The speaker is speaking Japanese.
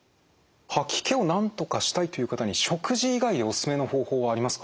吐き気をなんとかしたいという方に食事以外でおすすめの方法はありますか？